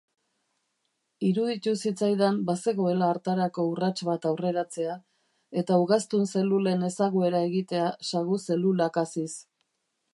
Iruditu zitzaidan bazegoela hartarako urrats bat aurreratzea eta ugaztun-zelulen ezaguera egitea sagu-zelulak haziz.